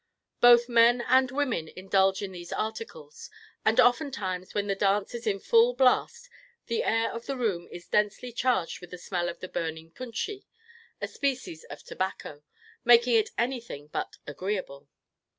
Both men and women indulge in these articles; and oftentimes when the dance is in full blast, the air of the room is densely charged with the smell of the burning punchi, a species of tobacco, making it anything but agreeable.